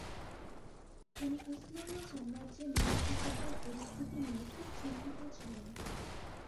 তিনি উসমানীয় সাম্রাজ্যের নারী কৃষকদের পরিস্থিতি নিয়ে খুব চিন্তিত ছিলেন।